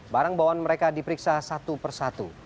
barang bawaan mereka diperiksa satu per satu